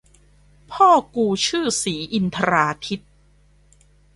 พ่อกูชื่อศรีอินทราทิตย์